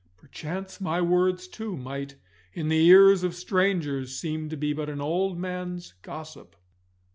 Perchance my words, too, might, in the ears of strangers, seem to be but an old man's gossip.